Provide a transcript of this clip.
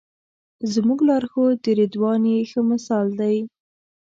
زموږ لارښود رضوان یې ښه مثال دی.